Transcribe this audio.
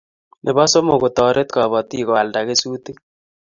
Nebo somok ketoret kobotik koalda kesutik